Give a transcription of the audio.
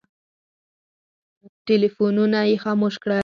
ټلفونونه یې خاموش کړل.